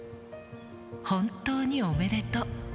本当におめでとう。